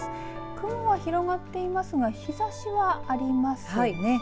雲は広がっていますが日ざしはありますね。